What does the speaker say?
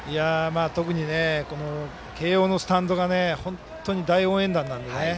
特に慶応のスタンドが本当に大応援団なんで。